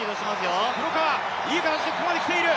黒川、いい形でここまできている！